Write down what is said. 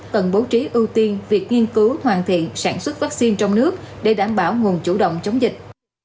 cần bố trí ưu tiên việc nghiên cứu hoàn thiện sản xuất vaccine trong nước để đảm bảo nguồn chủ động chống dịch